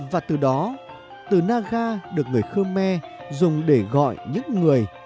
và từ đó từ naga được người khơ me dùng để gọi những người